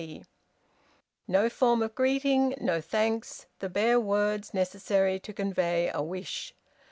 C." No form of greeting! No thanks! The bare words necessary to convey a wish!